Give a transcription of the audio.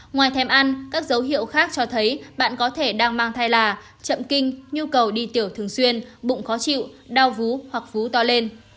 ngoài thèm ăn các dấu hiệu khác cho thấy bạn có thể đang mang thai là chậm kinh nhu cầu đi tiểu thường xuyên bụng khó chịu đau vú hoặc vú to lên